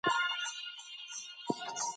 د پرمختګ کچه يې څارله.